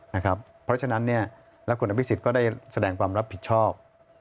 เพราะฉะนั้นและคุณอภิษฎก็ได้แสดงความรับผิดชอบ